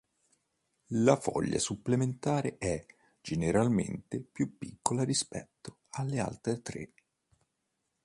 La foglia supplementare è, generalmente, più piccola rispetto alle altre tre.